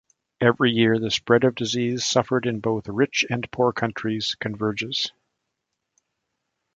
Every year, the spread of disease suffered in both rich and poor countries converges.